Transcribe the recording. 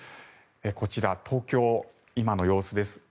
こちら、東京今の様子です。